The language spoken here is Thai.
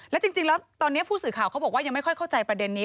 แล้วจริงแล้วตอนนี้ผู้สื่อข่าวเขาบอกว่ายังไม่ค่อยเข้าใจประเด็นนี้